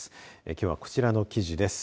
きょうは、こちらの記事です。